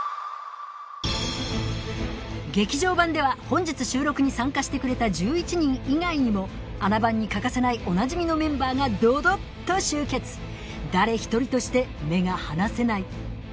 劇場版では本日収録に参加してくれた１１人以外にも『あな番』に欠かせないおなじみのメンバーがどどっと集結誰一人として目が離せない